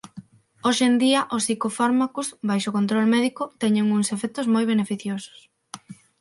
Hoxe en día, os psicofármacos, baixo control médico, teñen uns efectos moi beneficiosos.